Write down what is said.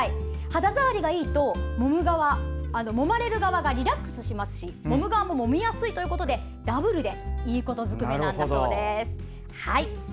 肌触りがいいと、もまれる側がリラックスしますしもむ側ももみやすいということでダブルでいいことずくめなんだそうです。